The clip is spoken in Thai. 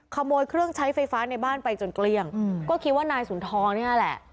ขโมยเครื่องใช้ไฟฟ้าในบ้านไปจนเกลี้ยงก็คิดว่านายสุนทรเนี่ยแหละ